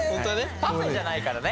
パフェじゃないからね！